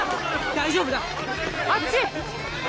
大丈夫だあっちへ！